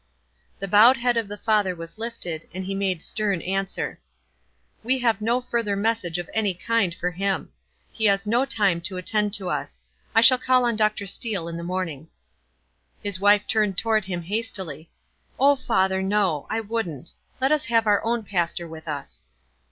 The bowed head of the father was lifted, and he made stern answer, —" We have no further message of any kind WISE AND OTHERWISE. 35 for bim. He has no time to attend to us. I shall call on Dr. Steele in the morning." His wife turned toward him hastily. " O father, no ; I wouldn't. Let us have our own pastor with us."